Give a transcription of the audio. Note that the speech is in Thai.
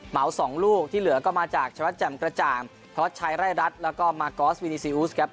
สองลูกที่เหลือก็มาจากชวัดแจ่มกระจ่างธวัชชัยไร่รัฐแล้วก็มากอสวีนิซีอูสครับ